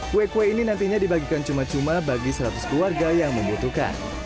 kue kue ini nantinya dibagikan cuma cuma bagi seratus keluarga yang membutuhkan